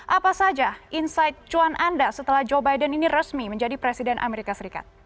apa saja insight cuan anda setelah joe biden ini resmi menjadi presiden amerika serikat